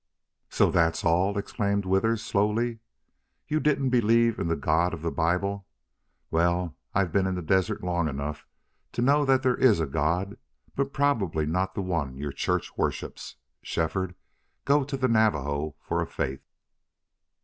"So that's all!" exclaimed Withers, slowly. "You didn't believe in the God of the Bible.... Well, I've been in the desert long enough to know there IS a God, but probably not the one your Church worships. ... Shefford, go to the Navajo for a faith!"